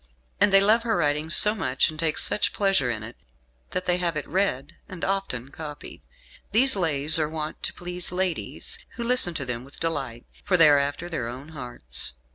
And they love her writing so much, and take such pleasure in it, that they have it read, and often copied. These Lays are wont to please ladies, who listen to them with delight, for they are after their own hearts."